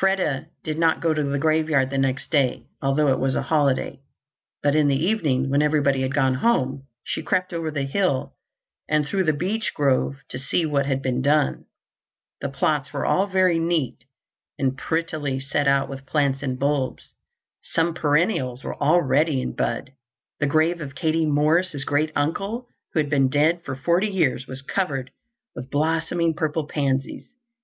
Freda did not go to the graveyard the next day, although it was a holiday. But in the evening, when everybody had gone home, she crept over the hill and through the beech grove to see what had been done. The plots were all very neat and prettily set out with plants and bulbs. Some perennials were already in bud. The grave of Katie Morris' great uncle, who had been dead for forty years, was covered with blossoming purple pansies.